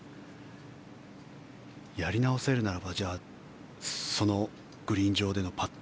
やり直せるならばそのグリーン上でのパット。